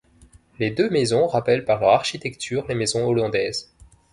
Les deux maisons rappellent par leur architecture les maisons hollandaises.